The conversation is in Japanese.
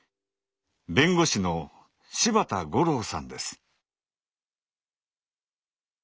弁護士の柴田五郎さんです。